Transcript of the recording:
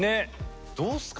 どうっすか？